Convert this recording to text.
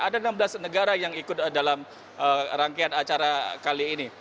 ada enam belas negara yang ikut dalam rangkaian acara kali ini